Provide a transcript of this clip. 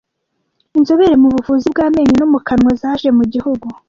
Inzobere mu buvuzi bw amenyo no mu kanwa zaje migihugu